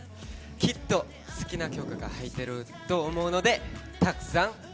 きっと好きな曲が入ってると思うのでたくさん。